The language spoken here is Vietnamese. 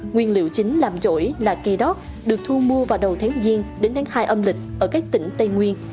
nguyên liệu chính làm chổi là cây đót được thu mua vào đầu tháng giêng đến đánh hại âm lịch ở các tỉnh tây nguyên